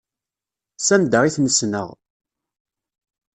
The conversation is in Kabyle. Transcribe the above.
S anda i ten-ssneɣ.